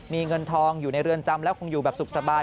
มีเงินทองอยู่ในเรือนจำแล้วคงอยู่แบบสุขสบาย